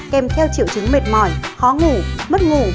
kèm theo triệu chứng mệt mỏi khó ngủ mất ngủ